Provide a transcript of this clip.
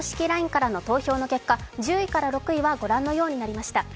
ＬＩＮＥからの投票の結果、１０位から６位はご覧のようになりました。